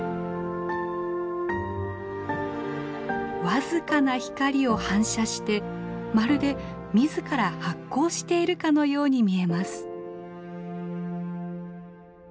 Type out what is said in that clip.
僅かな光を反射してまるで自ら発光しているかのように見えます。